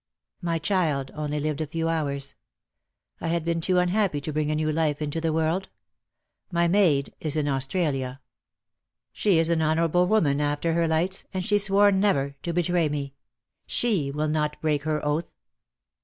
"My child only lived a few hours. I had been too unhappy to bring a new life into the world. My maid is in Australia. She is an honourable woman, after her lights, and she swore never to betray me. She will not break her oath."